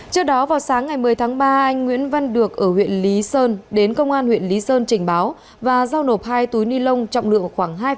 trước đó vào sáng ngày một mươi tháng ba anh nguyễn văn được ở huyện lý sơn đến công an huyện lý sơn trình báo và giao nộp hai túi ni lông trọng lượng khoảng